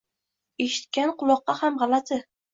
Eshitgan quloqqa ham g‘alati.